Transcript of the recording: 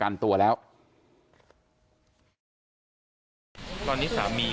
จนกระทั่งหลานชายที่ชื่อสิทธิชัยมั่นคงอายุ๒๙เนี่ยรู้ว่าแม่กลับบ้าน